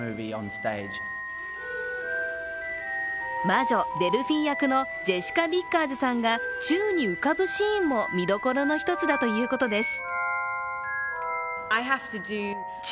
魔女・デルフィー役のジェシカ・ビッカーズさんが宙に浮かぶシーンも見どころの一つだということです。